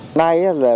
hôm nay về hệ mắm